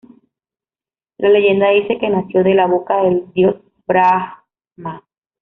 La leyenda dice que nació de la boca del dios Brahmá.